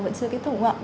vẫn chưa kết thúc không ạ